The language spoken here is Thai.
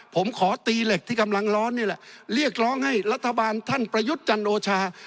ผมขอตีเหล็กที่กำลังร้อนนี่แหละเรียกร้องให้รัฐบาลท่านประยุทธ์จันโอชา